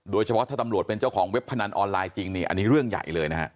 โดยเฉพาะถ้าตำรวจเป็นเจ้าของเว็บพนันออนไลน์จริงนี่อันนี้เรื่องใหญ่เลยนะฮะ